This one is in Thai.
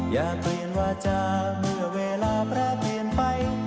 อย่ากลุ่มวาจาเมื่อเวลาประเป็นไป